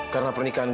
karena pernikahan gue